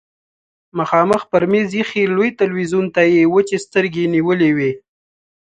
مخامخ پر مېز ايښي لوی تلويزيون ته يې وچې سترګې نيولې وې.